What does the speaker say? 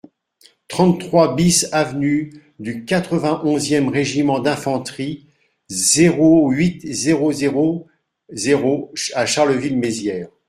trente-trois BIS avenue du quatre-vingt-onze e Régiment d'Infanterie, zéro huit, zéro zéro zéro à Charleville-Mézières